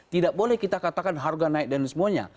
tidak boleh kita katakan harga naik dan semuanya